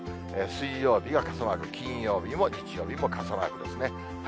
水曜日が傘マーク、金曜日も日曜日も傘マークですね。